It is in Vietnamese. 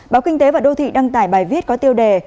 báo kinh tế và đô thị đăng tải bài viết có tiêu đề